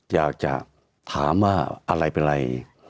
อยากจะถามว่าอะไรเป็นอะไร